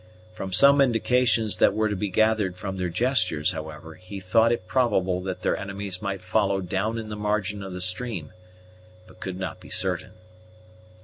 From some indications that were to be gathered from their gestures, however, he thought it probable that their enemies might follow down in the margin of the stream, but could not be certain.